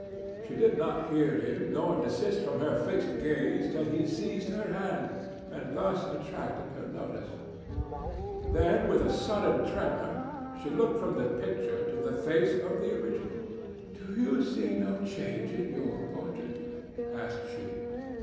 She did not hear him nor desist from her fixed gaze till he seized her hand, and thus attracted her notice; then with a sudden tremor she looked from the picture to the face of the original. "Do you see no change in your portrait?" asked she.